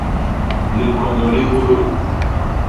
Likondo li nhôlôl.